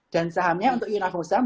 dan sahamnya untuk yuk nagung saham